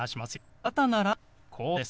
肩ならこうです。